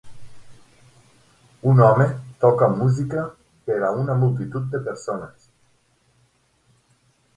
Un home toca música per a una multitud de persones.